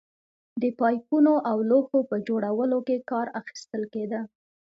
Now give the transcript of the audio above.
د پایپونو او لوښو په جوړولو کې کار اخیستل کېده